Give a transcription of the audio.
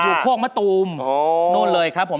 อยู่โค้งมะตูมโน่นเลยครับผม